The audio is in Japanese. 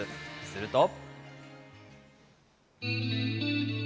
すると。